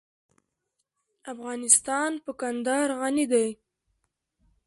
افغانستان په کندهار غني دی.